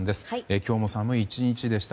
今日も寒い１日でした。